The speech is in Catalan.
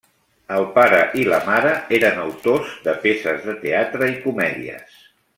El pare i la mare eren autors de peces de teatre i comèdies.